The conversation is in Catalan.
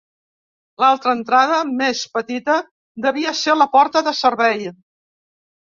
L'altra entrada, més petita, devia ser la porta de servei.